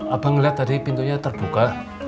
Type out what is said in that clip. abang melihat tadi pintunya terbuka